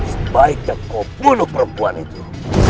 sebaiknya kau bunuh perempuan itu